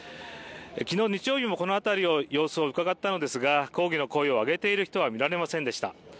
昨日日曜日もこの辺りの様子をうかがったのですが抗議の声を挙げている人は見られませんでした。